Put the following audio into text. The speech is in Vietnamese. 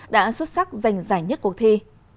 đã xuất sắc giành giải nhất cuộc thi